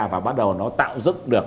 và bắt đầu nó tạo dứt được